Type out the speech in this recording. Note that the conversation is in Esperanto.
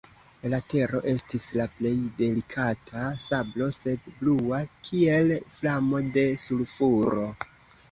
La tero estis la plej delikata sablo, sed blua, kiel flamo de sulfuro.